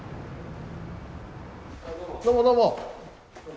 どうもどうも。